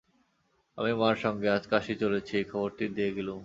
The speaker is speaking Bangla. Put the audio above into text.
আমি মার সঙ্গে আজ কাশী চলেছি এই খবরটি দিয়ে গেলুম।